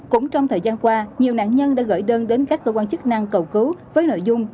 cũng trong thời gian qua nhiều nạn nhân đã gửi đơn đến các cơ quan chức năng cầu cứu với nội dung